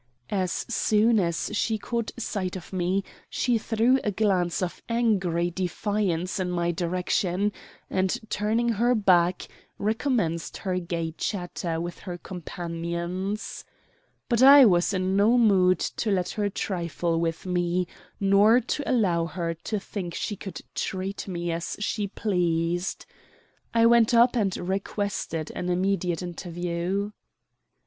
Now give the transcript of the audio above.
As soon as she caught sight of me she threw a glance of angry defiance in my direction, and, turning her back, recommenced her gay chatter with her companions. But I was in no mood to let her trifle with me nor to allow her to think she could treat me as she pleased. I went up and requested an immediate interview.